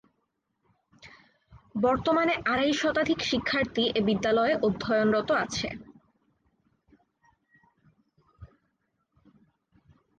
বর্তমানে আড়াই শতাধিক শিক্ষার্থী এ বিদ্যালয়ে অধ্যয়নরত আছে।